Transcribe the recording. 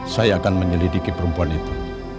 saya akan menyelidiki perempuan itu